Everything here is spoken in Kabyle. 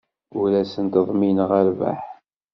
Ur asent-ḍmineɣ rrbeḥ.